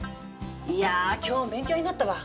いや今日も勉強になったわ。